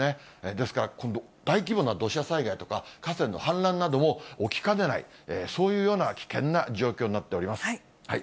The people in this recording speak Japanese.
ですから今度、大規模な土砂災害とか、河川の氾濫なども起きかねない、そういうような危険な状況になっております。